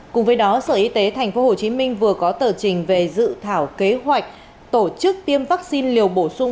cùng với đó sở y tế tp hcm vừa có tờ trình về dự thảo kế hoạch tổ chức tiêm vaccine liều bổ sung